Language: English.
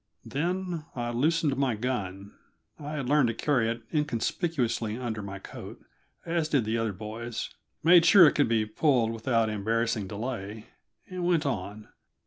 Then I loosened my gun I had learned to carry it inconspicuously under my coat, as did the other boys made sure it could be pulled without embarrassing delay, and went on.